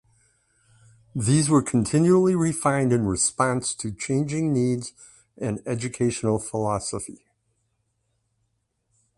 These were continually refined in response to changing needs and educational philosophy.